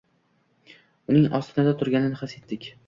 Uning ostonada turganini his etdik.